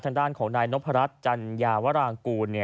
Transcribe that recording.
ทางด้านของนายนพรัชจัญญาวรางกูล